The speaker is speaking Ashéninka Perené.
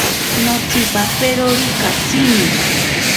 Notsipaperori katsini.